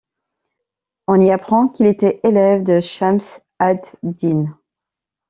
On y apprend qu'il était élève de Chams ad-Din.